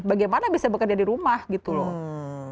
bagaimana bisa bekerja di rumah gitu loh